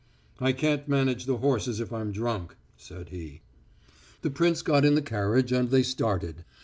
"I can't manage the horses if I'm drunk," said he. The prince got in the carriage, and they started.